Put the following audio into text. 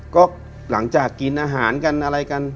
ก็หลังจากกินอาหารกันอะไรกัน